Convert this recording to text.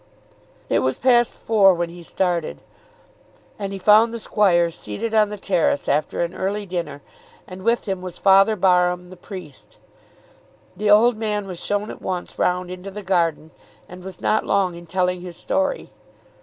It was past four when he started, and he found the squire seated on the terrace after an early dinner, and with him was Father Barham, the priest. The old man was shown at once round into the garden, and was not long in telling his story.